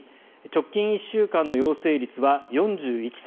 直近１週間の陽性率は４１．８％。